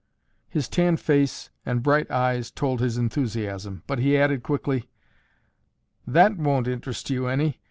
His tanned face and bright eyes told his enthusiasm, but he added quickly, "That won't interest you any.